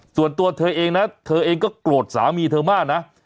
ส่วนตัวเธอเองนะเธอเองก็โกรธสามีเธอมากนะ